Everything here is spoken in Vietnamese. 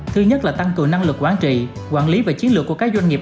thứ nhất là tăng cường năng lực quản trị quản lý và chiến lược của các doanh nghiệp